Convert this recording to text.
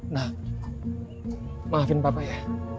nah maafin papa ya